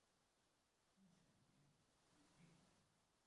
东雪莲是日本人